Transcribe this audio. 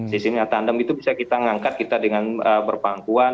sistemnya tandem itu bisa kita ngangkat kita dengan berpangkuan